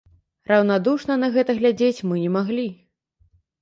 Раўнадушна на гэта глядзець мы не маглі.